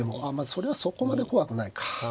それはそこまで怖くないか。